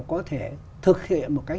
có thể thực hiện một cách